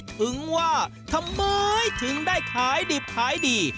ถึงว่าทำไมถึงได้ขายดิบขายดี